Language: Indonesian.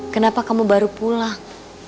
kenapa kamu baru pulang